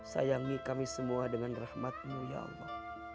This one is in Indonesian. sayangi kami semua dengan rahmatmu ya allah